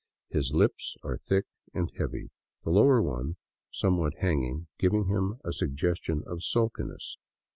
His lips are thick and heavy, the lower one somewhat hanging, giving him a suggestion of sulkiness.